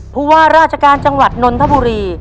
ผู้ว่าราชการจังหวัดนนทบุรี